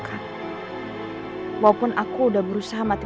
dyang lu kedudukurnya udah jadi